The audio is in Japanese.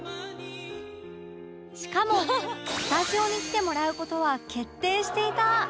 しかもスタジオに来てもらう事は決定していた！